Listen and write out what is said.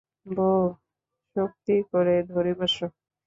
বোহ, শক্ত করে ধরে বসো।